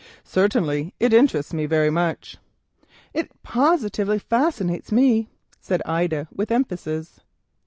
"Certainly; it interests me very much." "It positively fascinates me," said Ida with emphasis.